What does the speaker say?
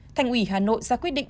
thành ủy hà nội ra quyết định